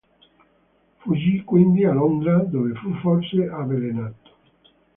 Fuggì quindi a Londra dove fu forse avvelenato.